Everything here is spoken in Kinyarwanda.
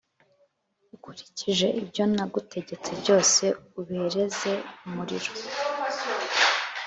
Ukurikije ibyo nagutegetse byose ubereze umurimo